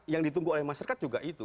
yang ditunggu oleh mas serkat juga itu